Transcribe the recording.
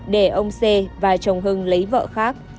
để ông c và chồng hưng lấy vợ khác